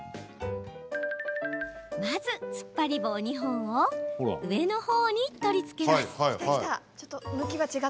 まず、つっぱり棒２本を上のほうに取り付けます。